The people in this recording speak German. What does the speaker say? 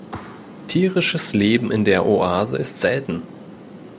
Tierisches Leben in der Oase ist selten.